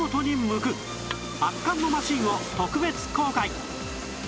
圧巻のマシンを特別公開！